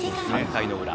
３回の裏。